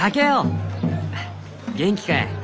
元気かえ？